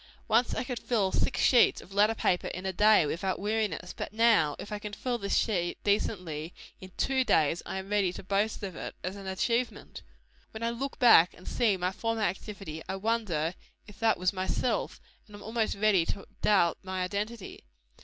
Once I could fill six sheets of letter paper in a day, without weariness; but now, if I can fill this sheet, decently, in two days, I am ready to boast of it, as an achievement. When I look back and see my former activity, I wonder if that was myself, and am almost ready to doubt my identity.